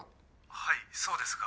「はいそうですが。